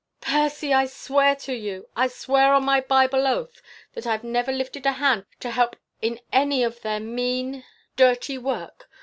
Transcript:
"Percy! I swear to you I swear, on my Bible oath, that I've never lifted a hand to help in any of their mean, dirty work!